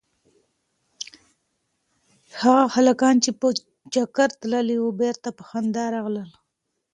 هغه هلکان چې په چکر تللي وو بېرته په خندا راغلل.